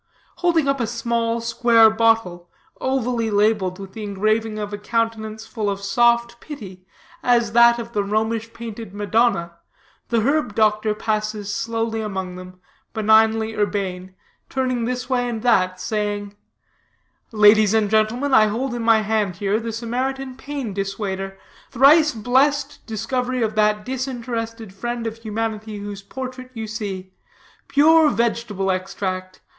Holding up a small, square bottle, ovally labeled with the engraving of a countenance full of soft pity as that of the Romish painted Madonna, the herb doctor passes slowly among them, benignly urbane, turning this way and that, saying: "Ladies and gentlemen, I hold in my hand here the Samaritan Pain Dissuader, thrice blessed discovery of that disinterested friend of humanity whose portrait you see. Pure vegetable extract.